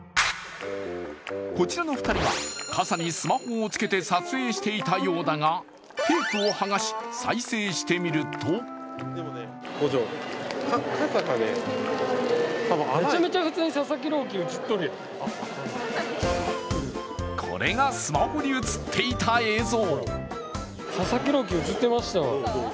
こちらの２人は傘にスマホを着けて撮影していたようだがテープを剥がし再生してみるとこれがスマホに映っていた映像。